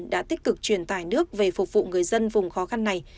đã tích cực truyền tải nước về phục vụ người dân vùng khó khăn này